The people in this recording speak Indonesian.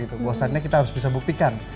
bahwasannya kita harus bisa buktikan